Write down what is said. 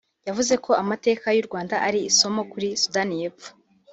yavuze ko amateka y’u Rwanda ari isomo kuri Sudani y’Epfo